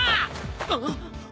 あっ！